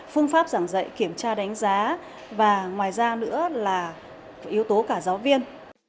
phương pháp giảng dạy kiểm tra đánh giá và ngoài ra nữa là yếu tố cả giáo viên